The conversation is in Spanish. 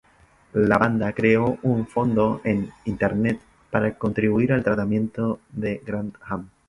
La banda creó un fondo en internet para contribuir al tratamiento de Grantham.